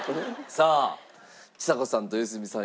さあちさ子さんと良純さん